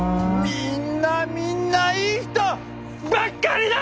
みんなみんないい人ばっかりだ！